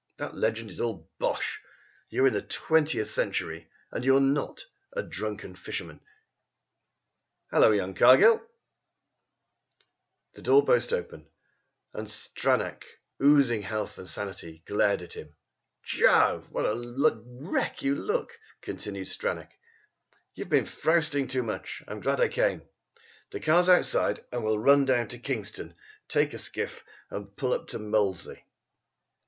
That legend is all bosh! You're in the twentieth century, and you're not a drunken fisherman " "Hullo, young Cargill!" The door burst open and Stranack, oozing health and sanity, glared at him. "Jove! What a wreck you look!" continued Stranack. "You've been frousting too much. I'm glad I came. The car's outside, and we'll run down to Kingston, take a skiff and pull up to Molesey."